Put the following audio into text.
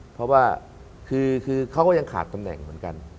เพราะว่าคือเขาก็ยังขาดตำแหน่งเหมือนกัน